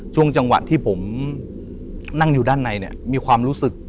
ช่วงจังหวะที่ผมนั่งอยู่ด้านในเนี่ยมีความรู้สึก